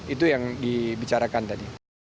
itu yang dibicarakan tadi